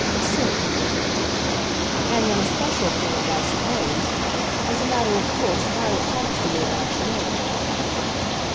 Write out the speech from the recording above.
"Certainly." "And an especial friend, I suppose. As a matter of course Violet talks to me about you both."